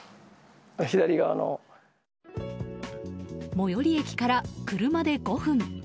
最寄り駅から車で５分。